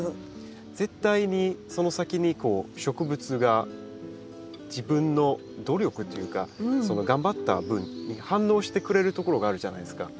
絶対にその先に植物が自分の努力っていうか頑張った分に反応してくれるところがあるじゃないですか。